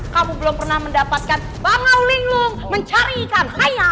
kamu belum pernah mendapatkan bangaulinglung mencari ikan saya